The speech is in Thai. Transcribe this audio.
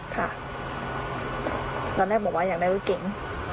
ค่ะแล้วแม่บอกว่าอย่างไรก็เก่ง